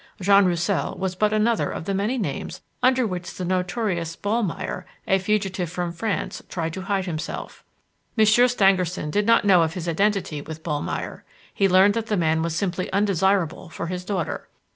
Jean Roussel was but another of the many names under which the notorious Ballmeyer, a fugitive from France, tried to hide himself. Monsieur Stangerson did not know of his identity with Ballmeyer; he learned that the man was simply undesirable for his daughter.